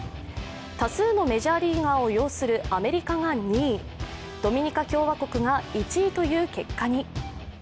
多数のメジャーリーガーを擁するアメリカが２位、ドミニカ共和国が１位という結果に。